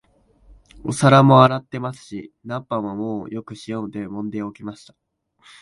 お皿も洗ってありますし、菜っ葉ももうよく塩でもんで置きました